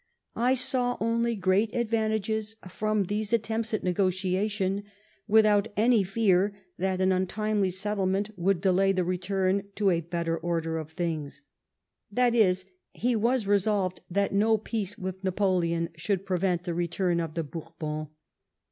" I saw only great advan tages from these attempts at negotiation, without any fear that an untimely settlement would delay the return to a better order of things ;" that is, he was resolved that no peace with Napoleon should prevent the return of the Bourbons.